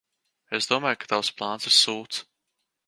Es domāju, ka tavs plāns ir sūds.